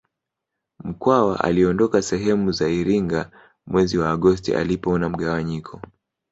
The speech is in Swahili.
Mkwawa aliondoka sehemu za Iringa mwezi wa Agosti alipoona mgawanyiko